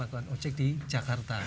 panggalan ojek di jakarta